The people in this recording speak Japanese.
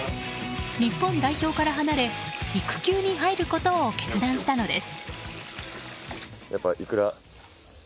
日本代表から離れ育休に入ることを決断したのです。